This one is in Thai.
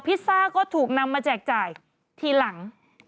ซ่าก็ถูกนำมาแจกจ่ายทีหลัง